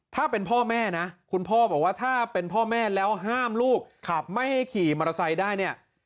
ถ้าเป็นพ่อแม่นะคุณพ่อบอกว่าถ้าเป็นพ่อแม่แล้วห้ามลูกไม่ให้ขี่มอเตอร์ไซค์ได้เนี่ย